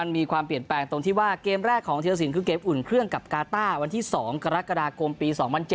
มีความเปลี่ยนแปลงตรงที่ว่าเกมแรกของธีรสินคือเกมอุ่นเครื่องกับกาต้าวันที่๒กรกฎาคมปี๒๐๐๗